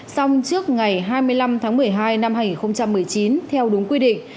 xong trước ngày hai mươi năm tháng một mươi hai năm hai nghìn một mươi chín theo đúng quy định